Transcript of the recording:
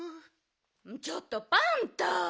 ちょっとパンタ。